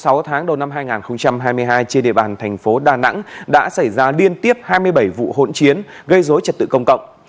sau sáu tháng đầu năm hai nghìn hai mươi hai trên địa bàn thành phố đà nẵng đã xảy ra liên tiếp hai mươi bảy vụ hỗn chiến gây dối trật tự công cộng